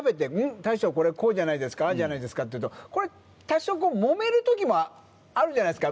大将これこうじゃないですかああじゃないですかっていうとこれ多少揉める時もあるじゃないですか？